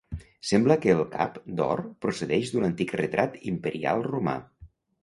Sembla que el cap, d'or, procedeix d'un antic retrat imperial romà.